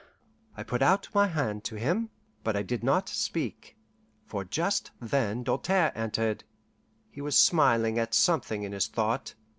I put out my hand to him, but I did not speak, for just then Doltaire entered. He was smiling at something in his thought.